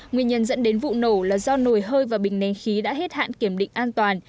nguyên nhân dẫn đến vụ nổ là do nồi hơi và bình nén khí đã hết hạn kiểm định an toàn